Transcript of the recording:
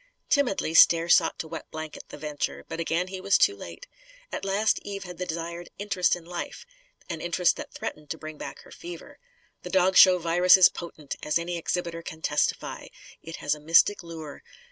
Timidly, Stair sought to wet blanket the venture. But again he was too late. At last Eve had the desired "interest in life," an interest that threatened to bring back her fever. The dog show virus is potent, as any exhibitor can testify. It has a mystic lure.